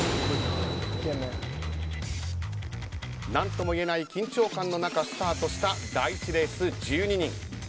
何とも言えない緊張感の中スタートした第１レース１２人。